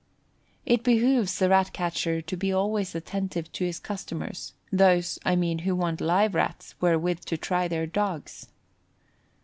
It behoves the Rat catcher to be always attentive to his customers, those, I mean, who want live Rats wherewith to try their dogs.